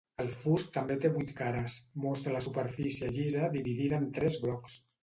El fust també té vuit cares, mostra la superfície llisa dividida en tres blocs.